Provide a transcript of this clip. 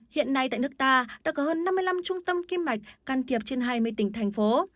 hiện nay tại nước ta đã có hơn năm mươi năm trung tâm kim mạch can thiệp trên hai mươi tỉnh thành phố